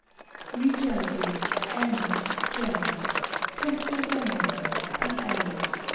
New Jersey, N. J. Pennsylvania, Pa.